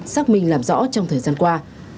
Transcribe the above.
xác minh làm rõ trong thời gian qua